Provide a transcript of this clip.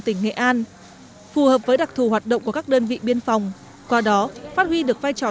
tỉnh nghệ an phù hợp với đặc thù hoạt động của các đơn vị biên phòng qua đó phát huy được vai trò